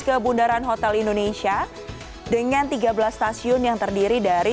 ke bundaran hotel indonesia dengan tiga belas stasiun yang terdiri dari